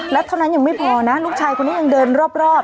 แล้วเท่านั้นยังไม่พอนะลูกชายคนนี้ยังเดินรอบ